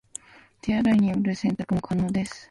手洗いによる洗濯も可能です